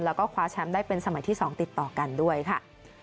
แล้วก็คว้าแชมป์ได้เป็นสมัยที่๒ติดต่อกันด้วยค่ะ